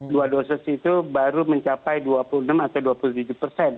dua dosis itu baru mencapai dua puluh enam atau dua puluh tujuh persen